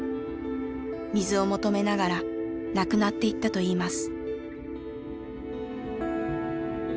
水を求めながら亡くなっていったといいます。